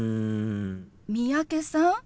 三宅さん